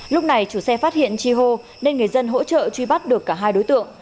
lúc này chủ xe phát hiện chi hô nên người dân hỗ trợ truy bắt được cả hai đối tượng